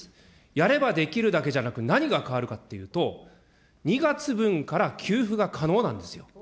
やればできるだけじゃなく、何が変わるかっていうと、２月分から給付が可能なんですよ。